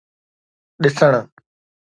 ڏسڻ